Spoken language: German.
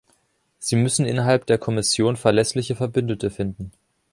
Sie müssen innerhalb der Kommission verlässliche Verbündete finden.